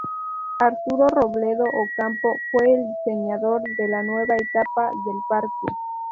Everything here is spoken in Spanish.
Arturo Robledo Ocampo fue el diseñador de la nueva etapa del parque.